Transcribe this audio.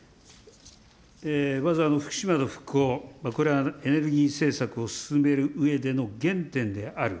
まず、福島の復興、これはエネルギー政策を進めるうえでの原点である。